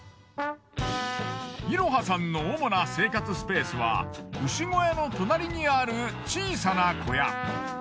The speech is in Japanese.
いろはさんの主な生活スペースは牛小屋の隣にある小さな小屋。